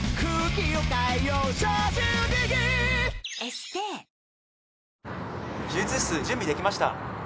・手術室準備できました。